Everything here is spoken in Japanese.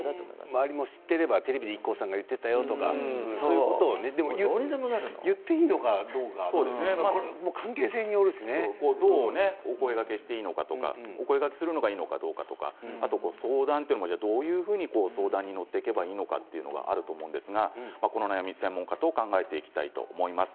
周りも知っていればテレビでＩＫＫＯさんが言っていたよとかでも言っていいのかどうかお声がけするのがいいのかどうか、相談というのもどういうふうに相談に乗っていけばいいのかというのがあると思うんですがこの悩み、専門家と考えていきたいと思います。